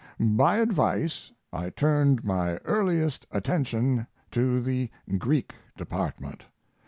By advice, I turned my earliest attention to the Greek department.